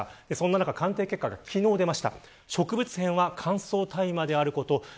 その中、鑑定結果が昨日出ました。